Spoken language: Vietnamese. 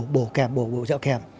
bổ kèm bổ kèm bổ kèm